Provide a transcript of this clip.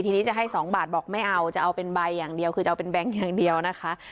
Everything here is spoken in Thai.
ทีนี้จะให้๒บาทบอกไม่เอาจะเอาเป็นใบอย่างเดียวคือจะเอาเป็นแบงค์อย่างเดียวนะคะ